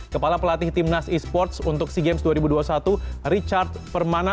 kepala pelatih timnas e sports untuk sea games dua ribu dua puluh satu richard permana